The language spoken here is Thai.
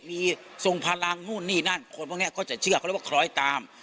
มีทรงพลังนู่นนี่นั่นคนพวกนี้ก็จะเชื่อเขาเรียกว่าคล้อยตาม